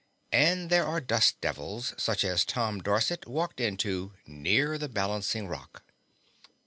And there are dust devils, such as Tom Dorset walked into near the balancing rock.